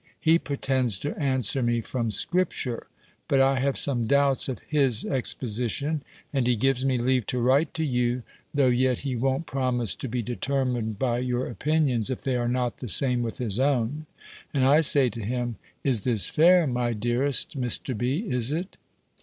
He pretends to answer me from Scripture; but I have some doubts of his exposition; and he gives me leave to write to you, though yet he won't promise to be determined by your opinions if they are not the same with his own; and I say to him, "Is this fair, my dearest Mr. B.? Is it?"